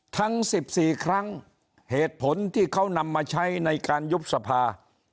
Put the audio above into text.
ทั้ง๑๔ครั้งเหตุผลที่เขานำมาใช้ในการยุบสภา